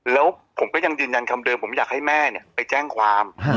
แล้วผมก็ยังยืนยันคำเดิมผมอยากให้แม่เนี่ยไปแจ้งความ